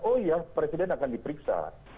oh iya presiden akan diperiksa